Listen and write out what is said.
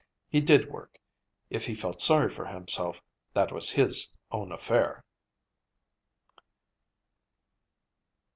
He did work; if he felt sorry for himself, that was his own affair.